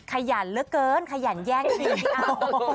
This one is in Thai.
ขยันเหลือเกินขยันแย่งซีไม่เอา